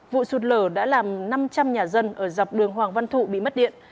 vụ sạt lở đã làm năm trăm linh nhà dân ở dọc đường hoàng văn thụ bị mất điện